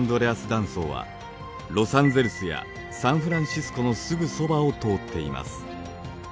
断層はロサンゼルスやサンフランシスコのすぐそばを通っています。